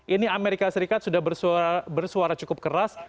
ini amerika serikat sudah bersuara cukup keras